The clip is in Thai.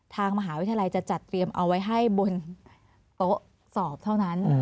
ทางมหาวิทยาลัยจะจัดเตรียมเอาไว้ให้บนโต๊ะสอบเท่านั้น